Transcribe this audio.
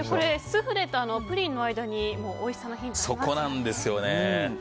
スフレとプリンの間においしさのヒントがそこなんですよね。